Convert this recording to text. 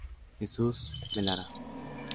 Jesus Melara